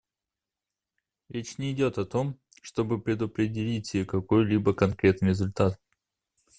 Речь не идет о том, чтобы предопределить какой-либо конкретный результат.